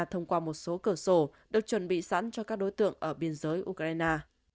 thông qua một số cửa sổ được chuẩn bị sẵn cho các đối tượng ở biên giới ukraine